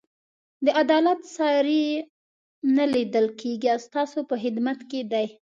د عدالت ساری یې نه لیدل کېږي او ستاسو په خدمت کې دی.